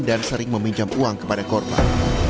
dan sering meminjam uang kepada korban